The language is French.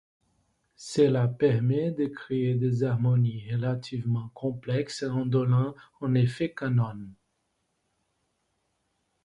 Cela permet de créer des harmonies relativement complexe en donnant un effet canon.